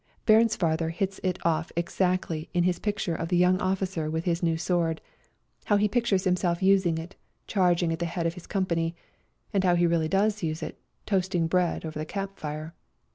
Bairnsfather hits it oft exactly in his picture of the young officer with his new sword : how he pictures himself F2 72 A RIDE TO KALABAC using it, charging at the head of his com pany, and how he really does use it, toasting bread over the camp fire